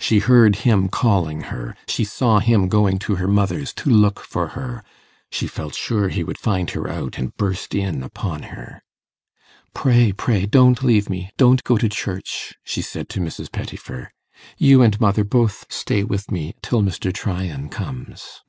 She heard him calling her, she saw him going to her mother's to look for her, she felt sure he would find her out, and burst in upon her. 'Pray, pray, don't leave me, don't go to church,' she said to Mrs. Pettifer. 'You and mother both stay with me till Mr. Tryan comes.